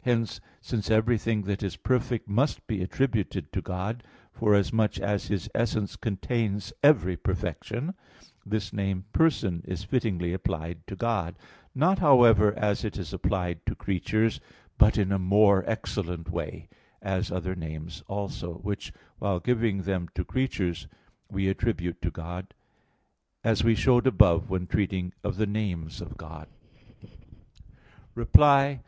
Hence, since everything that is perfect must be attributed to God, forasmuch as His essence contains every perfection, this name "person" is fittingly applied to God; not, however, as it is applied to creatures, but in a more excellent way; as other names also, which, while giving them to creatures, we attribute to God; as we showed above when treating of the names of God (Q. 13, A. 2).